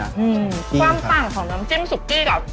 อืมความต่างของน้ำจิ้มซุกกี้กับ